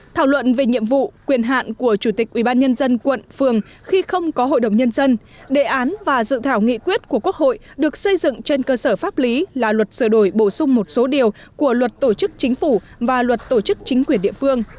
thảo luận về nhiệm vụ quyền hạn của chủ tịch ubnd quận phường khi không có hội đồng nhân dân đề án và dự thảo nghị quyết của quốc hội được xây dựng trên cơ sở pháp lý là luật sửa đổi bổ sung một số điều của luật tổ chức chính phủ và luật tổ chức chính quyền địa phương